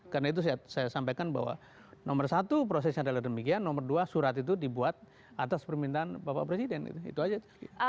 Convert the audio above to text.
karena itu saya sampaikan bahwa nomor satu prosesnya adalah demikian nomor dua surat itu dibuat atas permintaan bapak presiden itu saja